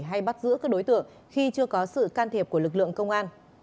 hay bắt giữ các đối tượng khi chưa có sự can thiệp của lực lượng công an